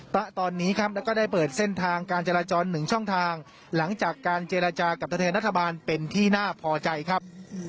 ณตอนนี้ครับแล้วก็ได้เปิดเส้นทางการจราจร๑ช่องทางหลังจากการเจรจากับตัวแทนรัฐบาลเป็นที่น่าพอใจครับ